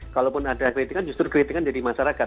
kalaupun ada kritikan justru kritikan dari masyarakat